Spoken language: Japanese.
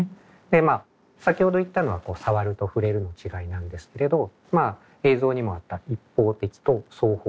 でまあ先ほど言ったのはさわるとふれるの違いなんですけれどまあ映像にもあった一方的と双方向的という違い。